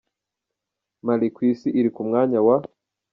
Mali: ku isi iri ku mwanya wa .